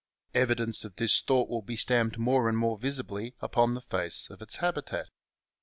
Evi dence of this thought will be stamped more and more visibly upon the face of its habitat.